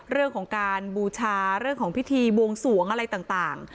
เรื่องของการบูชาเรื่องของพิธีบวงสวงอะไรต่าง